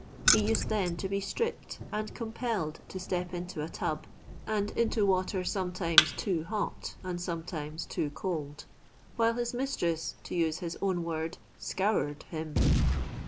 He used then to be stripped, and compelled to step into a tub, and into water sometimes too hot and sometimes too cold, while his mistress, to use his own word, Kourtd him.